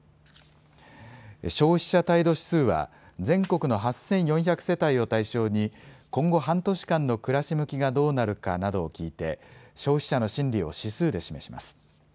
消費者態度指数は全国の８４００世帯を対象に今後半年間の暮らし向きがどうなるかなどを聞いて消費者の心理を指数で示します。